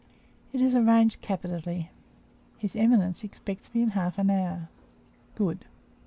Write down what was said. "It is arranged capitally; his eminence expects me in half an hour." "Good."